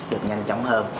được nhanh chóng hơn